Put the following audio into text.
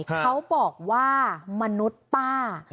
เขาบอกว่ามนุษย์ป้า